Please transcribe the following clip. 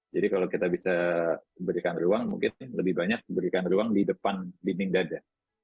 jadi kalau kita bisa berikan ruang mungkin lebih banyak berikan ruang di depan dinding dada